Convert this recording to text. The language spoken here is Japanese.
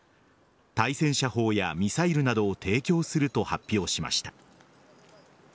対戦車砲やミサイルなどを提供すると発表しました。